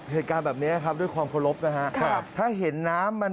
เหตุการณ์แบบนี้ครับด้วยความโปรบนะคะถ้าเห็นน้ำ